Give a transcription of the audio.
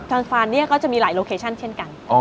ซานฟรานก็จะมีหลายโลเคชั่นเท่อกัน